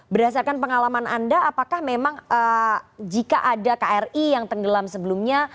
berdasarkan pengalaman anda apakah memang jika ada kri yang tenggelam sebelumnya